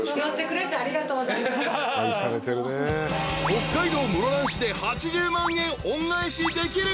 ［北海道室蘭市で８０万円恩返しできるか？］